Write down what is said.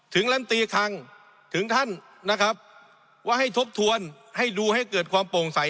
ลำตีคังถึงท่านนะครับว่าให้ทบทวนให้ดูให้เกิดความโปร่งใส